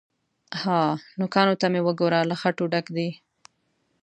_ها! نوکانو ته مې وګوره، له خټو ډک دي.